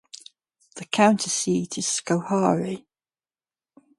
The county seat is Schoharie.